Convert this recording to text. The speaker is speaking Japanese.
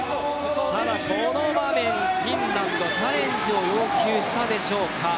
この場面、フィンランドチャレンジを要求したでしょうか。